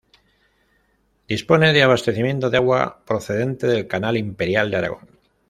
Dispone de abastecimiento de agua procedente del Canal Imperial de Aragón.